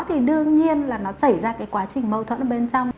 thì đương nhiên là nó xảy ra quá trình mâu thuẫn bên trong